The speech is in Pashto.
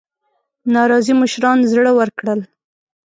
ناراضي مشران زړه ورکړل.